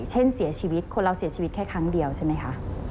เช่นเสียชีวิตคนเราเสียชีวิตแค่ครั้งเดียวใช่ไหมคะ